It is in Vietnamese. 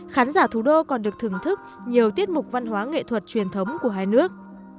khán giả thủ đô còn được thưởng thức nhiều tiết mục văn hóa nghệ thuật truyền thống của hai nước